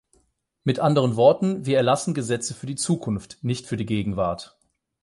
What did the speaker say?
Mit anderen Worten, wir erlassen Gesetze für die Zukunft, nicht für die Gegenwart.